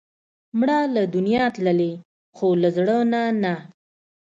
مړه له دنیا تللې، خو له زړه نه نه